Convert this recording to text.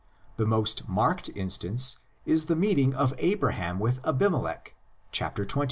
The most marked instance is the meeting of Abraham with Abimelech, chapter xx.